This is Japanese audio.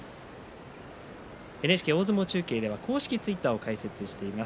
ＮＨＫ大相撲中継では公式ツイッターを開設しています。